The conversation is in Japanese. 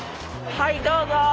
はいどうぞ。